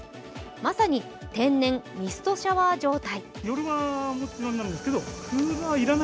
まさに天然ミストシャワー状態。